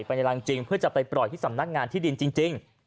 ในรังจริงเพื่อจะไปปล่อยที่สำนักงานที่ดินจริง